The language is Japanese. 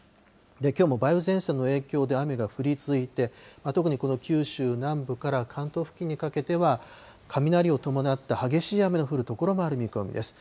きょうも梅雨前線の影響で雨が降り続いて、特にこの九州南部から、関東付近にかけては、雷を伴った激しい雨の降る所もある見込みです。